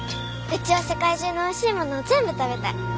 うちは世界中のおいしいものを全部食べたい。